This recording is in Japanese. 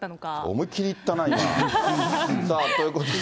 思いっきり言ったな、今。ということで。